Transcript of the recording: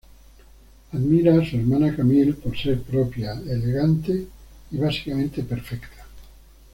Admira a su hermana Camille por ser propia, elegante y básicamente perfecta.